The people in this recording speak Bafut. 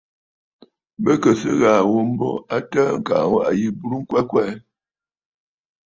Bɨ kɨ̀ sɨ ghàà ghu mbo a təə kaa waʼà yi burə ŋkwɛ kwɛʼɛ.